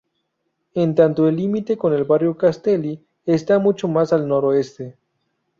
En tanto el límite con barrio Castelli está mucho más al noroeste.